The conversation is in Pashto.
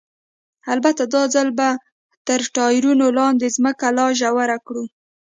البته دا ځل به تر ټایرونو لاندې ځمکه لا ژوره کړو.